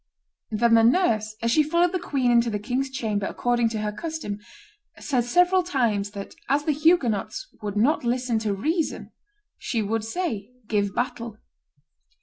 Then the nurse, as she followed the queen into the king's chamber according to her custom, said several times that, as the Huguenots would not listen to reason, she would say, 'Give battle.